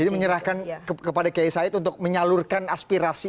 jadi menyerahkan kepada kiai said untuk menyalurkan aspirasi ini